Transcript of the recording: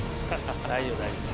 大丈夫大丈夫。